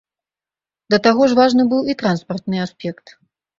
Да таго ж важным быў і транспартны аспект.